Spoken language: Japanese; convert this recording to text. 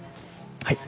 はい。